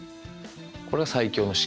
これは最強の式。